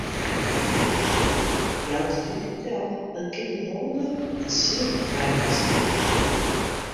Jout de wyn him del, dan kin de moolder wat seil bylizze.